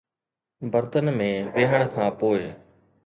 برتن ۾ ويهڻ کان پوء